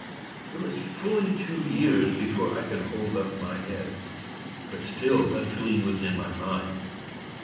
It was fully two years before I could hold up my head; but still that feeling was in my mind.